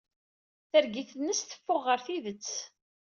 Targit-nnes teffeɣ ɣer tidet.